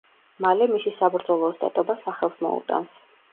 მალე მისი საბრძოლო ოსტატობა სახელს მოუტანს.